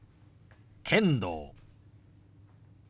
「剣道」。